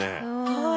はい。